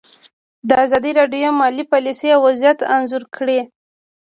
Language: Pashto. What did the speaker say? ازادي راډیو د مالي پالیسي وضعیت انځور کړی.